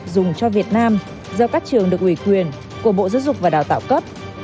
dùng cho việt nam do các trường được ủy quyền của bộ giáo dục và đào tạo cấp